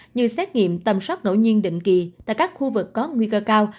như xét nghiệm tầm soát ngẫu nhiên định kỳ tại các khu vực có nguy cơ cao